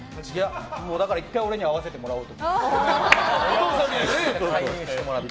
だから１回俺に会わせてもらおうと。